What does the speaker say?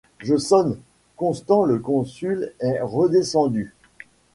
Je sonne :" Constant, le Consul est redescendu ?"